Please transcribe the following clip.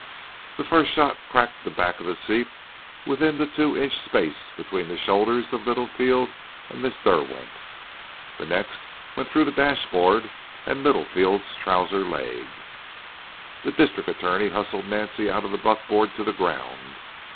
The first shot cracked the back of the seat within the two inch space between the shoulders of Littlefield and Miss Derwent. The next went through the dashboard and Littlefield's trouser leg. The district attorney hustled Nancy out of the buck board to the ground.